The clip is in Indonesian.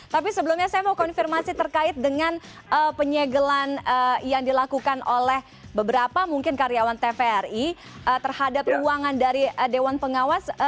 tapi sebelumnya saya mau konfirmasi terkait dengan penyegelan yang dilakukan oleh beberapa mungkin karyawan tvri terhadap ruangan dari dewan pengawas